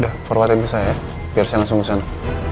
udah forwardin ke saya ya biar saya langsung ke sana